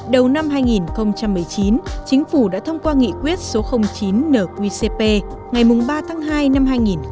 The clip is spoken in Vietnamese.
đầu năm hai nghìn một mươi chín chính phủ đã thông qua nghị quyết số chín nqcp ngày ba tháng hai năm hai nghìn một mươi chín